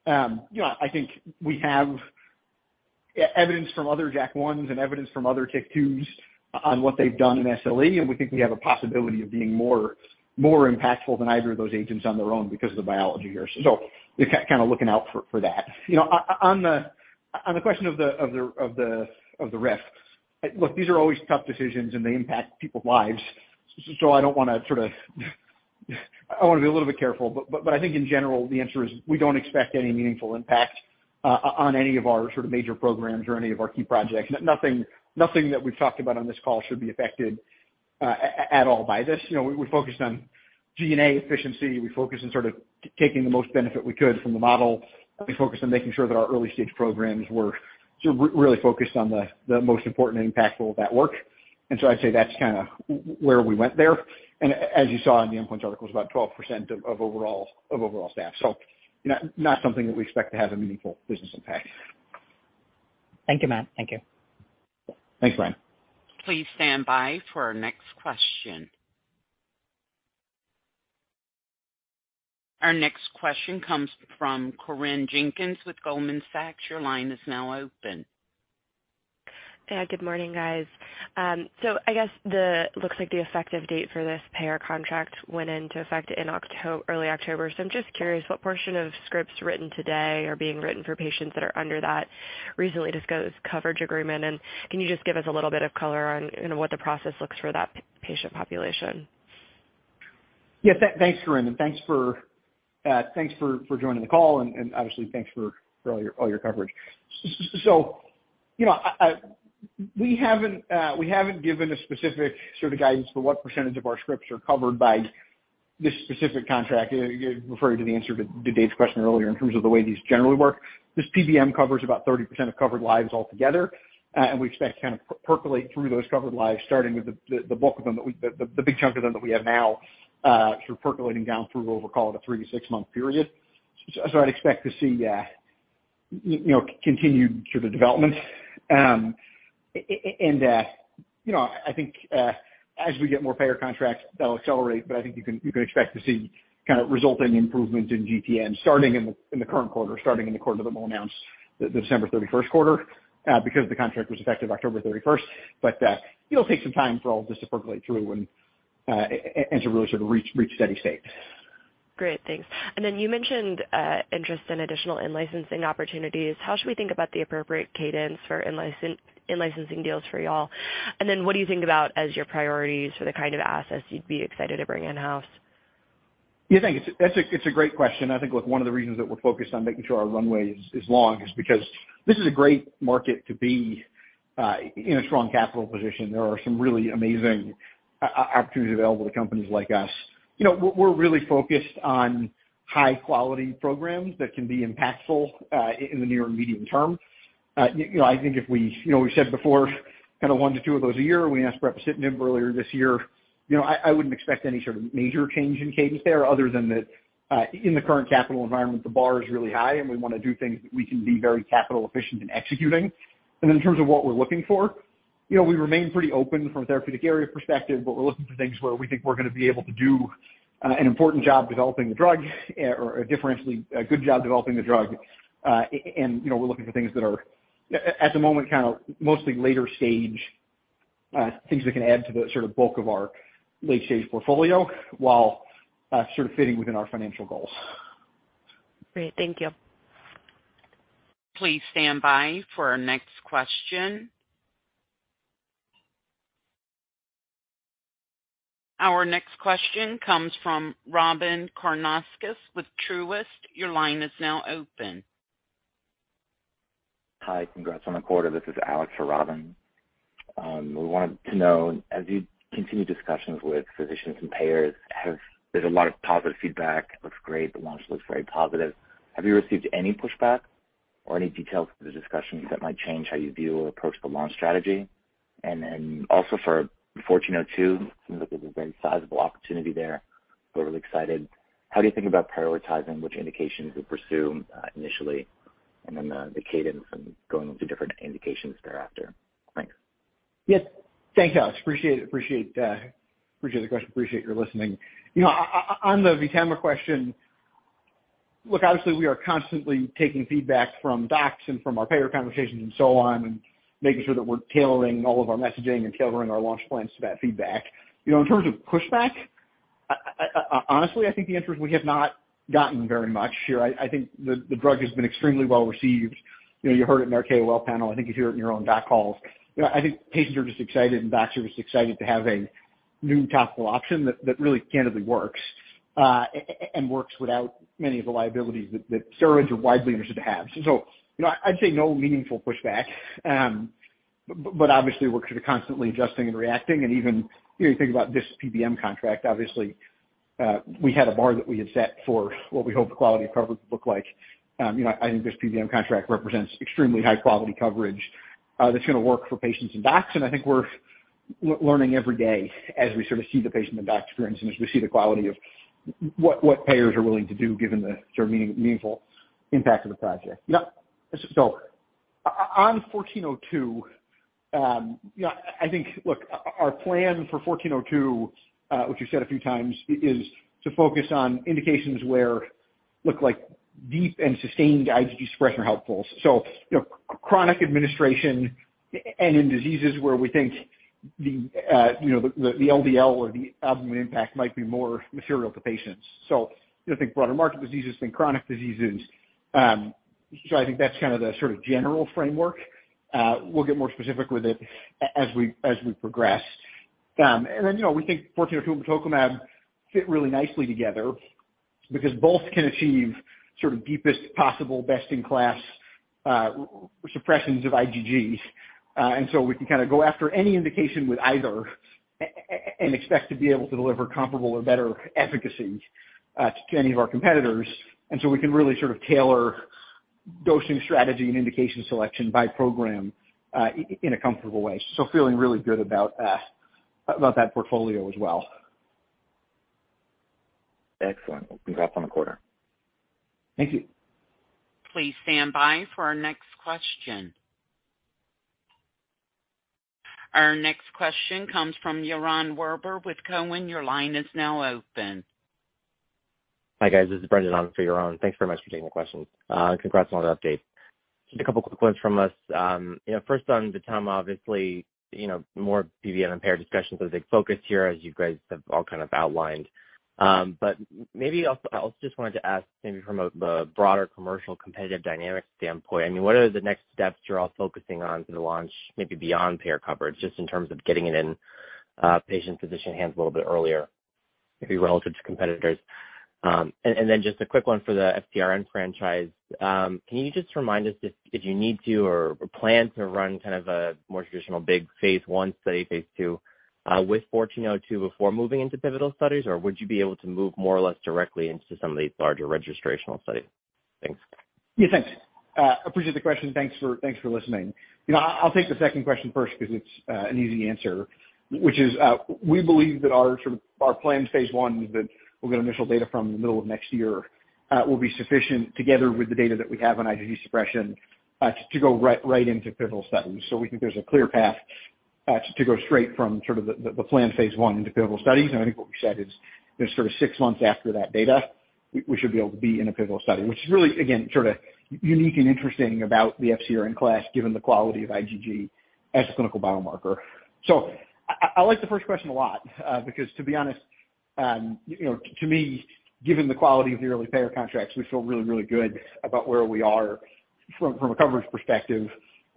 [SPEAKER 3] You know, I think we have evidence from other JAK1s and evidence from other TYK2s on what they've done in SLE, and we think we have a possibility of being more impactful than either of those agents on their own because of the biology here. So we're kind of looking out for that. You know, on the question of the RIF, look, these are always tough decisions, and they impact people's lives. I don't want to sort of. I want to be a little bit careful, but I think in general, the answer is we don't expect any meaningful impact on any of our sort of major programs or any of our key projects. Nothing that we've talked about on this call should be affected at all by this. You know, we focused on G&A efficiency. We focused on sort of taking the most benefit we could from the model. We focused on making sure that our early-stage programs were sort of really focused on the most important and impactful of that work. I'd say that's kind of where we went there. As you saw in the endpoints articles, about 12% of overall staff. You know, not something that we expect to have a meaningful business impact.
[SPEAKER 5] Thank you, Matt. Thank you.
[SPEAKER 3] Thanks, Brian Cheng.
[SPEAKER 1] Please stand by for our next question. Our next question comes from Corinne Jenkins with Goldman Sachs. Your line is now open.
[SPEAKER 6] Yeah. Good morning, guys. I guess looks like the effective date for this payer contract went into effect in early October. I'm just curious what portion of scripts written today are being written for patients that are under that recently disclosed coverage agreement, and can you just give us a little bit of color on, you know, what the process looks for that patient population?
[SPEAKER 3] Yeah. Thanks, Corinne, and thanks for joining the call and obviously thanks for all your coverage. You know, we haven't given a specific sort of guidance for what percentage of our scripts are covered by this specific contract, referring to the answer to Dave's question earlier in terms of the way these generally work. This PBM covers about 30% of covered lives altogether, and we expect to kind of percolate through those covered lives, starting with the bulk of them, the big chunk of them that we have now, sort of percolating down through what we'll call a 3- to 6-month period. I'd expect to see you know, continued sort of development. You know, I think as we get more payer contracts, that'll accelerate, but I think you can expect to see kind of resulting improvements in GPM starting in the current quarter, the quarter that we'll announce, the December thirty-first quarter, because the contract was effective October 31st. It'll take some time for all this to percolate through and to really sort of reach steady state.
[SPEAKER 6] Great. Thanks. You mentioned interest in additional in-licensing opportunities. How should we think about the appropriate cadence for in-licensing deals for y'all? What do you think about as your priorities for the kind of assets you'd be excited to bring in-house?
[SPEAKER 3] Yeah. Thanks. It's a great question. I think, look, one of the reasons that we're focused on making sure our runway is long is because this is a great market to be in a strong capital position. There are some really amazing opportunities available to companies like us. You know, we're really focused on high-quality programs that can be impactful in the near and medium term. You know, we've said before kind of one to two of those a year when we asked rep to sit in earlier this year. You know, I wouldn't expect any sort of major change in cadence there other than that, in the current capital environment, the bar is really high, and we wanna do things that we can be very capital efficient in executing. In terms of what we're looking for, you know, we remain pretty open from a therapeutic area perspective, but we're looking for things where we think we're gonna be able to do an important job developing the drug or differentially a good job developing the drug. You know, we're looking for things that are at the moment kind of mostly later stage, things that can add to the sort of bulk of our late-stage portfolio while sort of fitting within our financial goals.
[SPEAKER 6] Great. Thank you.
[SPEAKER 1] Please stand by for our next question. Our next question comes from Robyn Karnauskas with Truist. Your line is now open.
[SPEAKER 7] Hi. Congrats on the quarter. This is Alex for Robyn. We wanted to know, as you continue discussions with physicians and payers, there's a lot of positive feedback. Looks great. The launch looks very positive. Have you received any pushback or any details of the discussions that might change how you view or approach the launch strategy? Then also for 1402, it seems like there's a very sizable opportunity there. We're really excited. How do you think about prioritizing which indications to pursue initially, and then the cadence and going through different indications thereafter? Thanks.
[SPEAKER 3] Yes. Thanks, Alex. Appreciate the question. Appreciate your listening. You know, on the VTAMA question, look, obviously we are constantly taking feedback from docs and from our payer conversations and so on, and making sure that we're tailoring all of our messaging and tailoring our launch plans to that feedback. You know, in terms of pushback, honestly, I think the answer is we have not gotten very much here. I think the drug has been extremely well received. You know, you heard it in our KOL panel. I think you hear it in your own doc calls. You know, I think patients are just excited and docs are just excited to have a new topical option that really candidly works and works without many of the liabilities that steroids or calcineurin inhibitors have. You know, I'd say no meaningful pushback. Obviously we're sort of constantly adjusting and reacting. Even, you know, you think about this PBM contract, obviously, we had a bar that we had set for what we hope the quality of coverage would look like. You know, I think this PBM contract represents extremely high-quality coverage, that's gonna work for patients and docs. I think we're learning every day as we sort of see the patient and doc experience and as we see the quality of what payers are willing to do given the sort of meaningful impact of the product. On 1402, you know, I think look, our plan for 1402, which we've said a few times, is to focus on indications where deep and sustained IgG suppression is helpful. You know, chronic administration and in diseases where we think the LDL or the albumin impact might be more material to patients. We think broader market diseases than chronic diseases. I think that's kind of the sort of general framework. We'll get more specific with it as we progress. You know, we think 1402 and batoclimab fit really nicely together because both can achieve sort of deepest possible, best in class, suppressions of IgGs. We can kind of go after any indication with either and expect to be able to deliver comparable or better efficacy to any of our competitors. We can really sort of tailor dosing strategy and indication selection by program in a comfortable way. Feeling really good about that portfolio as well.
[SPEAKER 7] Excellent. Congrats on the quarter.
[SPEAKER 3] Thank you.
[SPEAKER 1] Please stand by for our next question. Our next question comes from Yaron Werber with Cowen. Your line is now open.
[SPEAKER 8] Hi, guys. This is Brendan on for Yaron Werber. Thanks very much for taking the question. Congrats on the update. Just a couple of quick ones from us. You know, first on VTAMA, obviously, you know, more PBM and payer discussions are the big focus here as you guys have all kind of outlined. But maybe I also just wanted to ask maybe from a broader commercial competitive dynamics standpoint, I mean, what are the next steps you're all focusing on for the launch, maybe beyond payer coverage, just in terms of getting it in patient, physician hands a little bit earlier, maybe relative to competitors? And then just a quick one for the FcRn franchise. Can you just remind us if you need to or plan to run kind of a more traditional big phase I study, phase II, with 14-02 before moving into pivotal studies? Or would you be able to move more or less directly into some of these larger registrational studies? Thanks.
[SPEAKER 3] Yeah, thanks. Appreciate the question. Thanks for listening. You know, I'll take the second question first because it's an easy answer, which is, we believe that our sort of planned phase I that we'll get initial data from the middle of next year will be sufficient together with the data that we have on IgG suppression to go right into pivotal studies. So we think there's a clear path to go straight from sort of the planned phase I into pivotal studies. I think what we said is there's sort of six months after that data we should be able to be in a pivotal study, which is really, again, sort of unique and interesting about the FcRn class, given the quality of IgG as a clinical biomarker. I like the first question a lot, because to be honest, you know, to me, given the quality of the early payer contracts, we feel really good about where we are from a coverage perspective.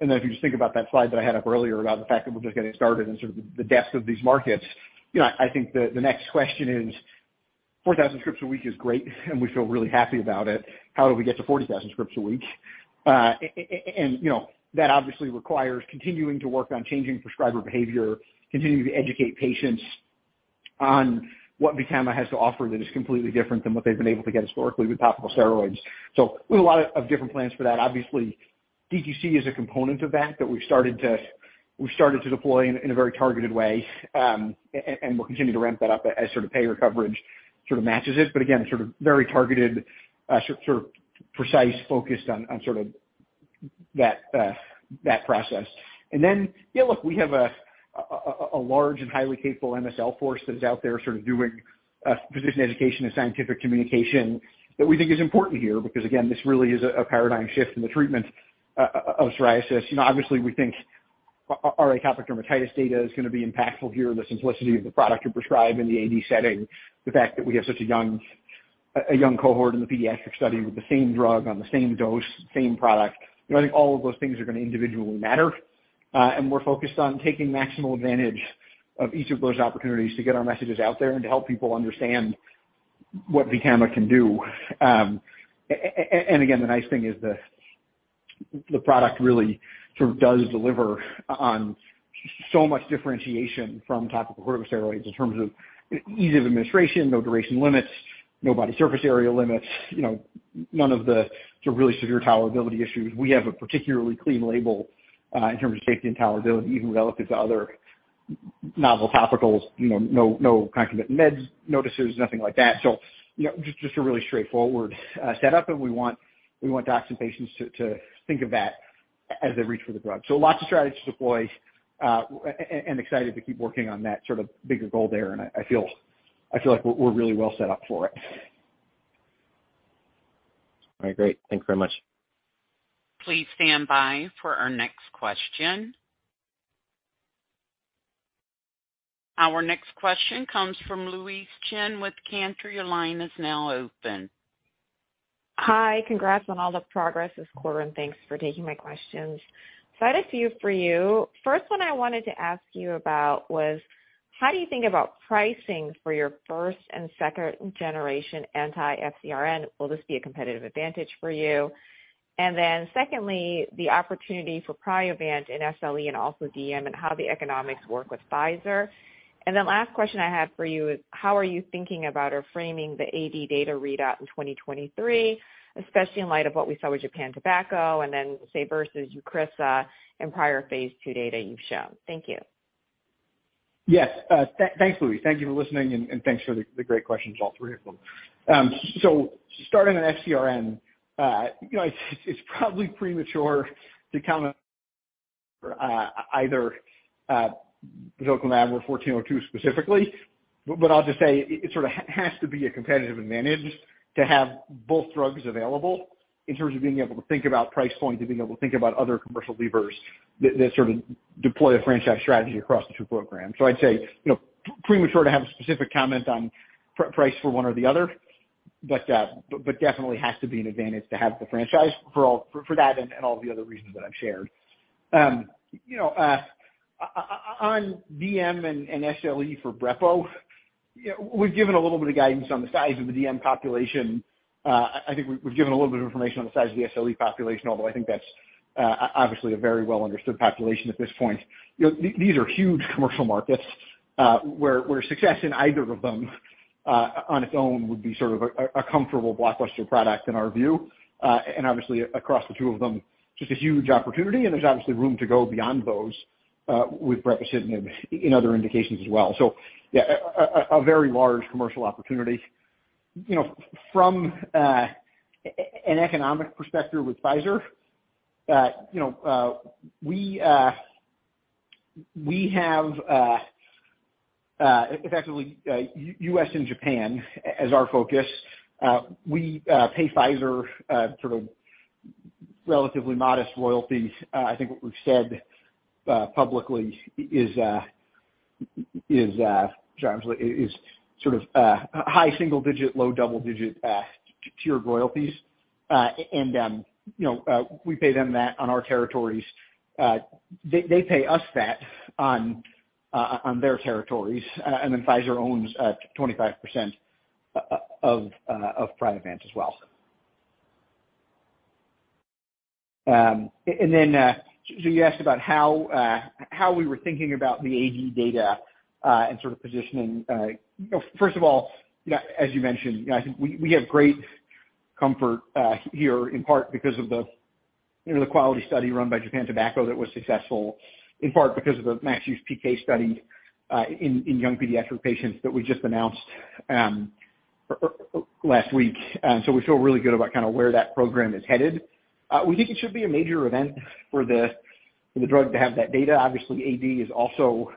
[SPEAKER 3] Then if you just think about that slide that I had up earlier about the fact that we're just getting started and sort of the depth of these markets, you know, I think the next question is. 4,000 scripts a week is great, and we feel really happy about it. How do we get to 40,000 scripts a week? And, you know, that obviously requires continuing to work on changing prescriber behavior, continuing to educate patients on what VTAMA has to offer that is completely different than what they've been able to get historically with topical steroids. We have a lot of different plans for that. Obviously, DTC is a component of that that we've started to deploy in a very targeted way, and we'll continue to ramp that up as sort of payer coverage sort of matches it. Again, sort of very targeted, sort of precise focused on sort of that process. Yeah, look, we have a large and highly capable MSL force that is out there doing physician education and scientific communication that we think is important here, because again, this really is a paradigm shift in the treatment of psoriasis. You know, obviously we think our atopic dermatitis data is gonna be impactful here. The simplicity of the product to prescribe in the AD setting, the fact that we have such a young cohort in the pediatric study with the same drug on the same dose, same product. You know, I think all of those things are gonna individually matter, and we're focused on taking maximal advantage of each of those opportunities to get our messages out there and to help people understand what VTAMA can do. Again, the nice thing is the product really sort of does deliver on so much differentiation from topical corticosteroid in terms of ease of administration, no duration limits, no body surface area limits, you know, none of the sort of really severe tolerability issues. We have a particularly clean label in terms of safety and tolerability, even relative to other novel topicals. You know, no concomitant meds notices, nothing like that. You know, just a really straightforward setup, and we want docs and patients to think of that as they reach for the drug. Lots of strategies to deploy, and excited to keep working on that sort of bigger goal there. I feel like we're really well set up for it.
[SPEAKER 8] All right, great. Thank you very much.
[SPEAKER 1] Please stand by for our next question. Our next question comes from Louise Chen with Cantor Fitzgerald. Your line is now open.
[SPEAKER 9] Hi. Congrats on all the progress this quarter, and thanks for taking my questions. I had a few for you. First one I wanted to ask you about was how do you think about pricing for your first and second generation anti-FcRn? Will this be a competitive advantage for you? Secondly, the opportunity for Priovant in SLE and also DM and how the economics work with Pfizer. Last question I have for you is how are you thinking about or framing the AD data readout in 2023, especially in light of what we saw with Japan Tobacco and then say versus EUCRISA, and prior phase II data you've shown. Thank you.
[SPEAKER 3] Yes. Thanks, Louise. Thank you for listening, and thanks for the great questions, all three of them. Starting on FcRn, you know, it's probably premature to comment either batoclimab or IMVT-1402 specifically, but I'll just say it sort of has to be a competitive advantage to have both drugs available in terms of being able to think about price points and being able to think about other commercial levers that sort of deploy the franchise strategy across the two programs. I'd say, you know, premature to have a specific comment on price for one or the other, but definitely has to be an advantage to have the franchise for all, for that and all the other reasons that I've shared. You know, on DM and SLE for brepocitinib, you know, we've given a little bit of guidance on the size of the DM population. I think we've given a little bit of information on the size of the SLE population, although I think that's obviously a very well understood population at this point. You know, these are huge commercial markets, where success in either of them on its own would be sort of a comfortable blockbuster product in our view. And obviously across the two of them, just a huge opportunity, and there's obviously room to go beyond those with brepocitinib in other indications as well. Yeah, a very large commercial opportunity. You know, from an economic perspective with Pfizer, you know, we have effectively U.S. and Japan as our focus. We pay Pfizer sort of relatively modest royalties. I think what we've said publicly is sort of high single digit, low double digit tiered royalties. You know, we pay them that on our territories. They pay us that on their territories. Pfizer owns 25% of Priovant as well. You asked about how we were thinking about the AD data and sort of positioning. You know, first of all, you know, as you mentioned, you know, I think we have great comfort here in part because of the quality study run by Japan Tobacco that was successful, in part because of the max use PK study in young pediatric patients that we just announced last week. We feel really good about kind of where that program is headed. We think it should be a major event for the drug to have that data. Obviously, AD is also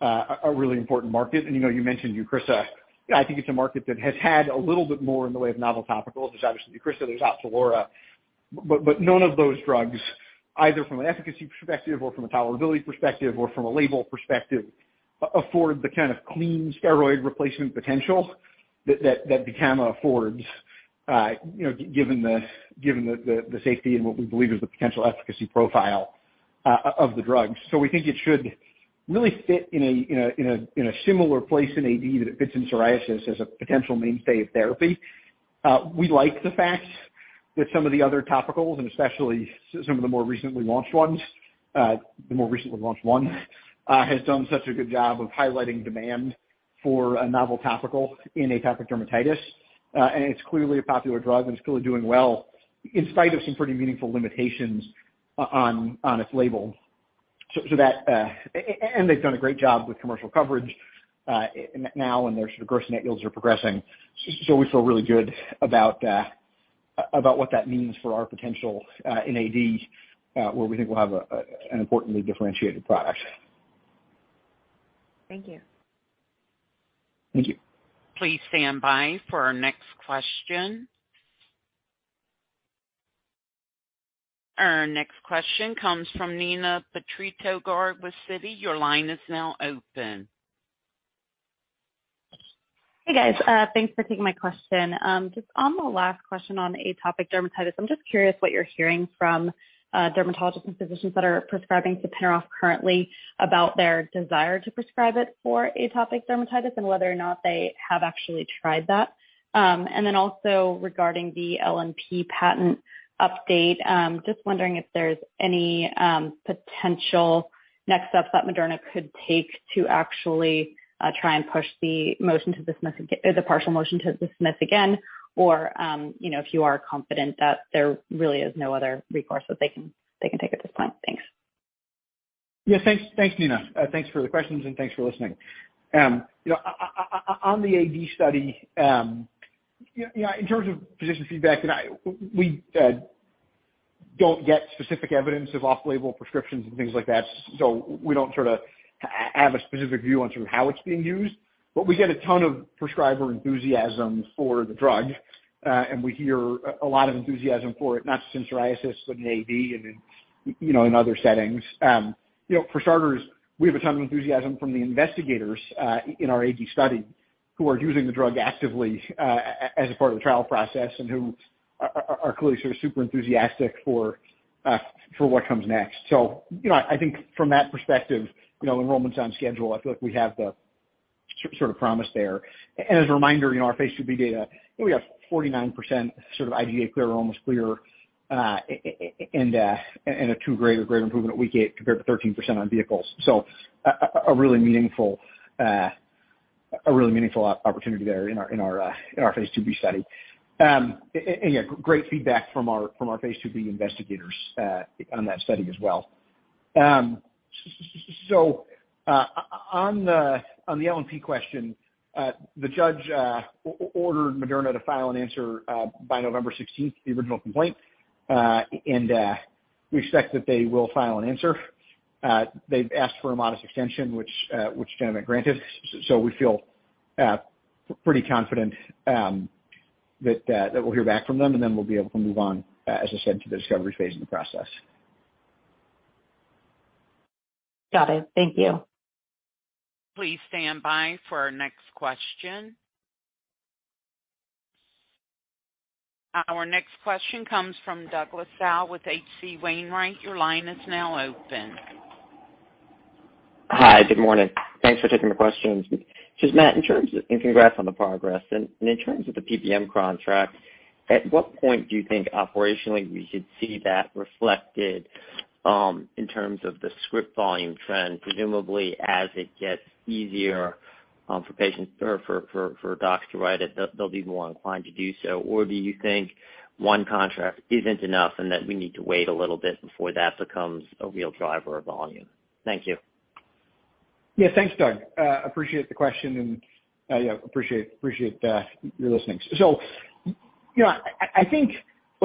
[SPEAKER 3] a really important market. You know, you mentioned EUCRISA. I think it's a market that has had a little bit more in the way of novel topicals. There's obviously EUCRISA, there's OPZELURA. None of those drugs, either from an efficacy perspective or from a tolerability perspective or from a label perspective, afford the kind of clean steroid replacement potential that VTAMA affords, you know, given the safety and what we believe is the potential efficacy profile of the drugs. We think it should really fit in a similar place in AD that it fits in psoriasis as a potential mainstay of therapy. We like the fact that some of the other topicals, and especially some of the more recently launched ones, the more recently launched one has done such a good job of highlighting demand for a novel topical in atopic dermatitis. It's clearly a popular drug and it's clearly doing well in spite of some pretty meaningful limitations on its label. They've done a great job with commercial coverage, and now their sort of gross-to-net yields are progressing. We feel really good about what that means for our potential in AD, where we think we'll have an importantly differentiated product.
[SPEAKER 9] Thank you.
[SPEAKER 3] Thank you.
[SPEAKER 1] Please stand by for our next question. Our next question comes from Neena Bitritto-Garg with Citi. Your line is now open.
[SPEAKER 10] Hey, guys. Thanks for taking my question. Just on the last question on atopic dermatitis, I'm just curious what you're hearing from dermatologists and physicians that are prescribing Saperov currently about their desire to prescribe it for atopic dermatitis and whether or not they have actually tried that. Also regarding the LNP patent update, just wondering if there's any potential next steps that Moderna could take to actually try and push the motion to dismiss or the partial motion to dismiss again or, you know, if you are confident that there really is no other recourse that they can take at this point. Thanks.
[SPEAKER 3] Yeah, thanks. Thanks, Nina. Thanks for the questions, and thanks for listening. You know, on the AD study, you know, in terms of physician feedback, and we don't get specific evidence of off-label prescriptions and things like that, so we don't sort of have a specific view on sort of how it's being used. But we get a ton of prescriber enthusiasm for the drug, and we hear a lot of enthusiasm for it, not just in psoriasis, but in AD and in, you know, in other settings. You know, for starters, we have a ton of enthusiasm from the investigators in our AD study who are using the drug actively as a part of the trial process and who are clearly sort of super enthusiastic for what comes next. You know, I think from that perspective, you know, enrollment's on schedule. I feel like we have the sort of promise there. As a reminder, you know, our phase IIb data, you know, we have 49% sort of IDA clear or almost clear, in a two grade or greater improvement at week eight, compared to 13% on vehicles. A really meaningful opportunity there in our phase IIb study. Yeah, great feedback from our phase IIb investigators on that study as well. On the LNP question, the judge ordered Moderna to file an answer by November 16, the original complaint. We expect that they will file an answer. They've asked for a modest extension, which gentlemen granted. We feel pretty confident that we'll hear back from them, and then we'll be able to move on, as I said, to the discovery phase in the process.
[SPEAKER 10] Got it. Thank you.
[SPEAKER 1] Please stand by for our next question. Our next question comes from Douglas Tsao with H.C. Wainwright. Your line is now open.
[SPEAKER 11] Hi. Good morning. Thanks for taking the questions. Just, Matt, congrats on the progress. In terms of the PBM contract, at what point do you think operationally we should see that reflected in terms of the script volume trend? Presumably as it gets easier for patients or for docs to write it, they'll be more inclined to do so. Or do you think one contract isn't enough and that we need to wait a little bit before that becomes a real driver of volume? Thank you.
[SPEAKER 3] Yeah, thanks, Doug. Appreciate the question and, yeah, appreciate your listening. You know, I think. Look,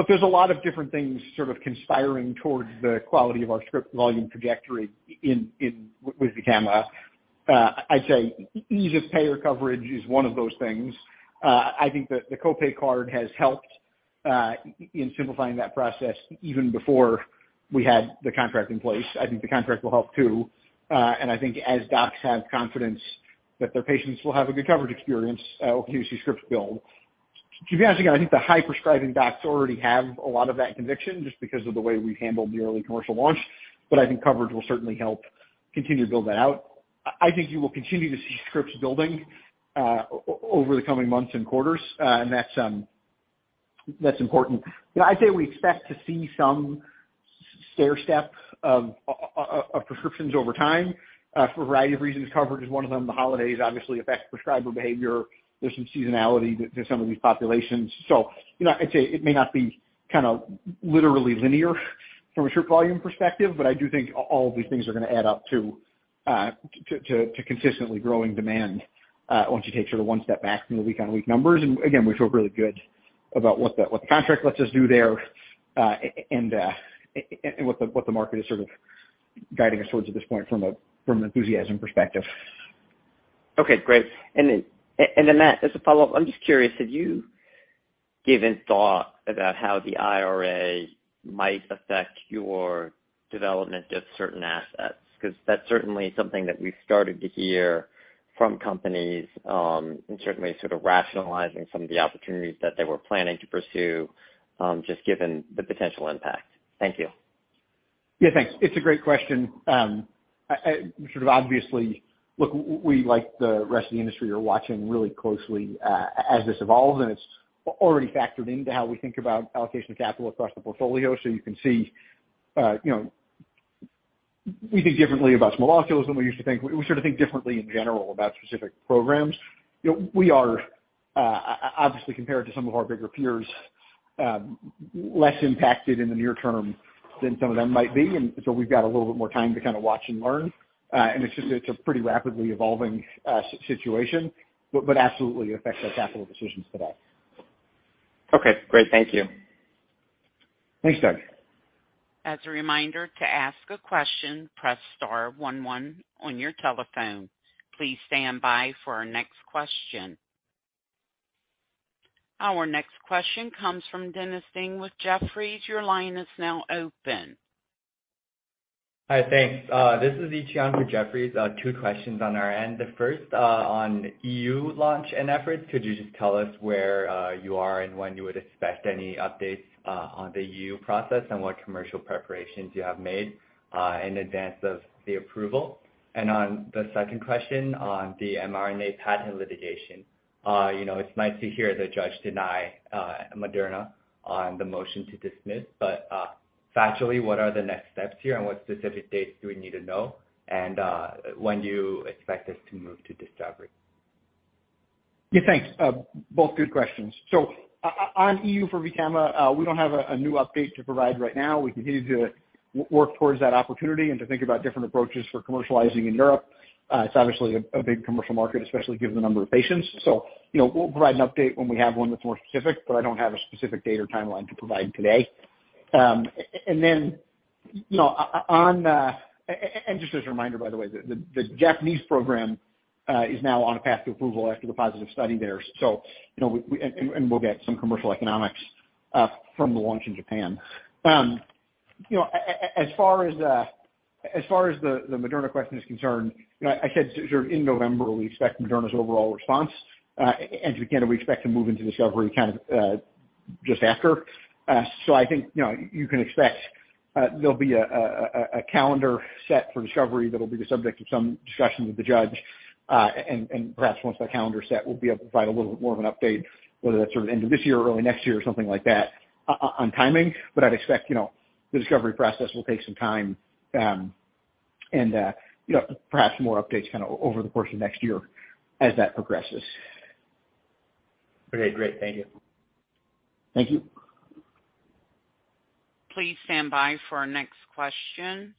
[SPEAKER 3] there's a lot of different things sort of conspiring towards the quality of our script volume trajectory in with VTAMA. I'd say ease of payer coverage is one of those things. I think that the co-pay card has helped in simplifying that process even before we had the contract in place. I think the contract will help too. I think as docs have confidence that their patients will have a good coverage experience, when you see scripts build. To be honest again, I think the high prescribing docs already have a lot of that conviction just because of the way we've handled the early commercial launch, but I think coverage will certainly help continue to build that out. I think you will continue to see scripts building over the coming months and quarters, and that's important. You know, I'd say we expect to see some stairstep of prescriptions over time, for a variety of reasons. Coverage is one of them. The holidays obviously affect prescriber behavior. There's some seasonality to some of these populations. You know, I'd say it may not be kind of literally linear from a script volume perspective, but I do think all of these things are gonna add up to consistently growing demand, once you take sort of one step back from the week-on-week numbers. Again, we feel really good about what the contract lets us do there and what the market is sort of guiding us towards at this point from an enthusiasm perspective.
[SPEAKER 11] Okay, great. Matt, as a follow-up, I'm just curious, have you given thought about how the IRA might affect your development of certain assets? 'Cause that's certainly something that we've started to hear from companies, in certainly sort of rationalizing some of the opportunities that they were planning to pursue, just given the potential impact. Thank you.
[SPEAKER 3] Yeah, thanks. It's a great question. Sort of obviously, look, we, like the rest of the industry, are watching really closely as this evolves, and it's already factored into how we think about allocation of capital across the portfolio. So you can see, you know, we think differently about small molecules than we used to think. We sort of think differently in general about specific programs. You know, we are obviously compared to some of our bigger peers less impacted in the near-term than some of them might be, and so we've got a little bit more time to kinda watch and learn. It's just, it's a pretty rapidly evolving situation, but absolutely it affects our capital decisions today.
[SPEAKER 11] Okay, great. Thank you.
[SPEAKER 3] Thanks, Doug.
[SPEAKER 1] As a reminder, to ask a question, press star one one on your telephone. Please stand by for our next question. Our next question comes from Dennis Ding with Jefferies. Your line is now open.
[SPEAKER 12] Hi, thanks. This is Yuxi Dong on for Jefferies. Two questions on our end. The first, on EU launch and efforts. Could you just tell us where you are and when you would expect any updates on the EU process and what commercial preparations you have made in advance of the approval? On the second question on the mRNA patent litigation, you know, it's nice to hear the judge deny Moderna on the motion to dismiss, but factually, what are the next steps here? And what specific dates do we need to know and when do you expect us to move to discovery?
[SPEAKER 3] Yeah, thanks. Both good questions. On EU for VTAMA, we don't have a new update to provide right now. We continue to work towards that opportunity and to think about different approaches for commercializing in Europe. It's obviously a big commercial market, especially given the number of patients. You know, we'll provide an update when we have one that's more specific, but I don't have a specific date or timeline to provide today. Then, just as a reminder, by the way, the Japanese program is now on a path to approval after the positive study there. You know, we'll get some commercial economics from the launch in Japan. You know, as far as the Moderna question is concerned, you know, I said sort of in November, we expect Moderna's overall response. Again, we expect to move into discovery kind of just after. I think, you know, you can expect there'll be a calendar set for discovery that'll be the subject of some discussion with the judge. Perhaps once that calendar is set, we'll be able to provide a little bit more of an update, whether that's sort of end of this year or early next year or something like that on timing. I'd expect, you know, the discovery process will take some time. You know, perhaps more updates kind of over the course of next year as that progresses.
[SPEAKER 12] Okay, great. Thank you.
[SPEAKER 3] Thank you.
[SPEAKER 1] Please stand by for our next question.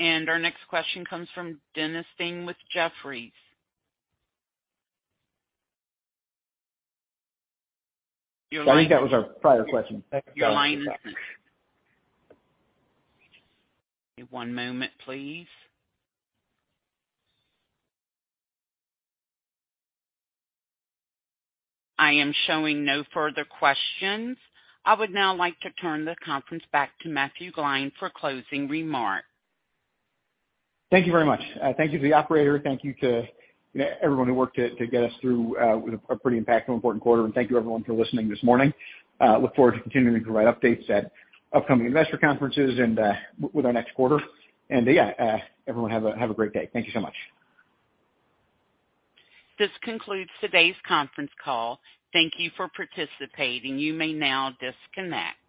[SPEAKER 1] Our next question comes from Dennis Ding with Jefferies. Your line.
[SPEAKER 3] I think that was our prior question.
[SPEAKER 1] One moment, please. I am showing no further questions. I would now like to turn the conference back to Matthew Gline for closing remarks.
[SPEAKER 3] Thank you very much. Thank you to the operator. Thank you to, you know, everyone who worked to get us through a pretty impactful, important quarter. Thank you everyone for listening this morning. Look forward to continuing to provide updates at upcoming investor conferences and with our next quarter. Yeah, everyone have a great day. Thank you so much.
[SPEAKER 1] This concludes today's conference call. Thank you for participating. You may now disconnect.